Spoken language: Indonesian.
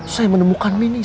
saya menemukan miniset